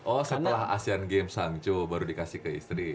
oh setelah asian game sang jo baru dikasih ke istri